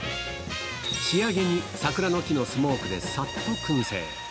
仕上げに桜の木のスモークでさっとくん製。